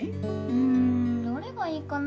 うんどれがいいかな？